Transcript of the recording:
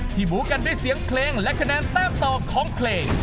หมูกันด้วยเสียงเพลงและคะแนนแต้มต่อของเพลง